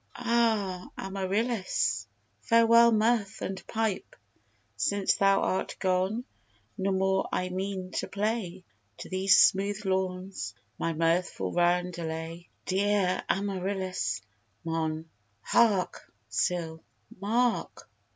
Ah, Amarillis! farewell mirth and pipe; Since thou art gone, no more I mean to play To these smooth lawns, my mirthful roundelay. Dear Amarillis! MON. Hark! SIL. Mark!